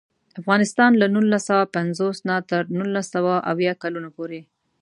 افغانستان له نولس سوه پنځوس نه تر نولس سوه اویا کلونو پورې.